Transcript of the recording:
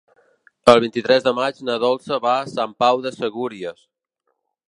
El vint-i-tres de maig na Dolça va a Sant Pau de Segúries.